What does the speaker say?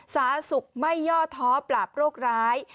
สาธารณสุขไม่ย่อท้อปราบโรคร้าย